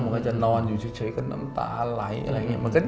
มันก็จะนอนอยู่เฉยก็น้ำตาไหลอะไรอย่างนี้